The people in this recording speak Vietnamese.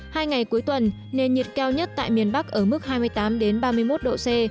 hai ngày cuối tuần nền nhiệt cao nhất tại miền bắc ở mức hai mươi tám ba mươi một độ c